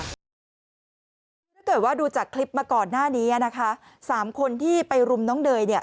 คุณผู้ชมคะถ้าเกิดว่าดูจากคลิปมาก่อนหน้านี้นะคะ๓คนที่ไปรุมน้องเนยเนี่ย